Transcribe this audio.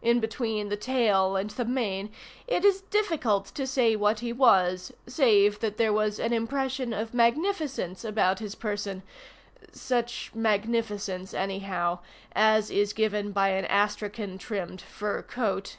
In between the tail and the mane it is difficult to say what he was, save that there was an impression of magnificence about his person such magnificence, anyhow, as is given by an astrakhan trimmed fur coat.